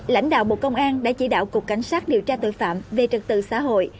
lãnh đạo bộ công an đã chỉ đạo cục cảnh sát điều tra tội phạm về trật tự xã hội